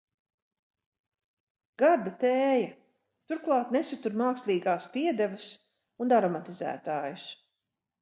Garda tēja, turklāt nesatur mākslīgās piedevas un aromatizētājus.